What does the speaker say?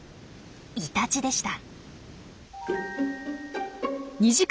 イタチでした。